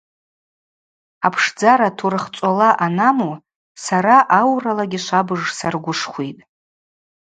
Апшдзара турых цӏола анаму сара ауралагьи швабыж саргвышхвитӏ.